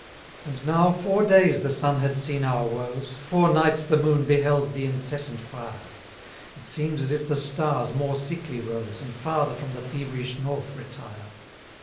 278 And now four days the sun had seen our woes: Four nights the moon beheld the incessant fire: It seem'd as if the stars more sickly rose, And farther from the feverish north retire.